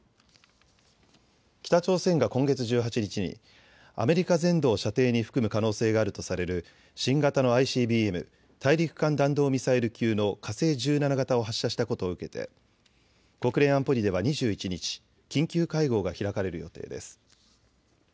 北朝鮮が今月１８日にアメリカ全土を射程に含む可能性があるとされる新型のＩＣＢＭ・大陸間弾道ミサイル級の火星１７型を発射したことを受けて、国連安保理では２１日、緊急会合が開かれる予定です。